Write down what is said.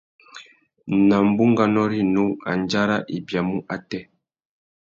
Nà bunganô rinú, andjara i biamú atê?